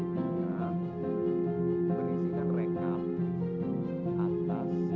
berisikan rekap atas tiga ratus